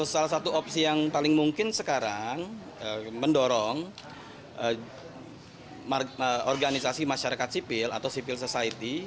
salah satu opsi yang paling mungkin sekarang mendorong organisasi masyarakat sipil atau civil society